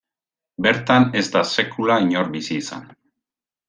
Bertan ez da sekula inor bizi izan.